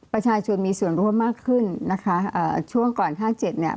ประชาชนมีส่วนร่วมมากขึ้นนะคะช่วงก่อน๕๗เนี่ย